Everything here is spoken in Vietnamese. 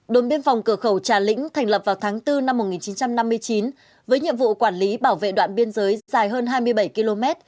đồn biên phòng cửa khẩu trà lĩnh thành lập vào tháng bốn năm một nghìn chín trăm năm mươi chín với nhiệm vụ quản lý bảo vệ đoạn biên giới dài hơn hai mươi bảy km